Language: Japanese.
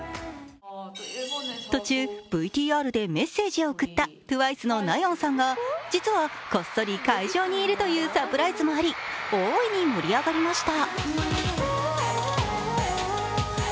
途中、ＶＴＲでメッセージを送ったＴＷＩＣＥのＮＡＹＥＯＮさんが実は、こっそり会場にいるというサプライズもあり大いに盛り上がりました。